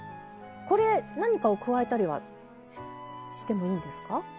これ何かを加えたりはしてもいいんですか。